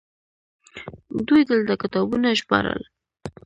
دوی دلته کتابونه ژباړل